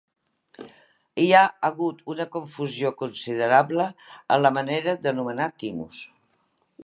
Hi ha hagut una confusió considerable amb la manera d'anomenar "thymus".